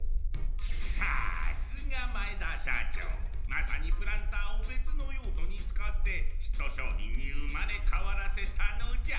まさにプランターを別の用途に使ってヒット商品に生まれ変わらせたのじゃ。